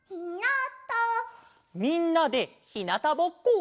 みんなでひなたぼっこ？